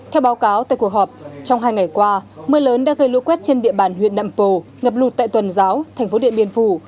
theo báo cáo tại cuộc họp trong hai ngày qua mưa lớn đã gây lũ quét trên địa bàn huyện nậm pồ ngập lụt tại tuần giáo thành phố điện biên phủ